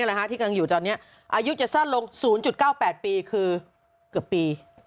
ที่กำลังอยู่ตอนนี้อายุจะสั้นลง๐๙๘ปีคือเกือบปี